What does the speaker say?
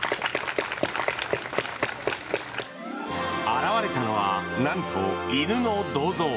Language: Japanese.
現れたのは、なんと犬の銅像。